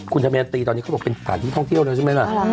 คุณธเมนตรีตอนนี้เขาบอกเป็นสถานที่ท่องเที่ยวแล้วใช่ไหมล่ะ